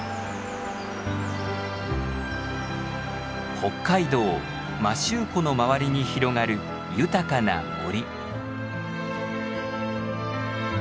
北海道摩周湖の周りに広がる豊かな森。